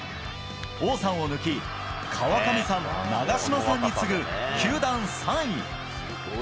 王さんを抜き、川上さん、長嶋さんに次ぐ球団３位。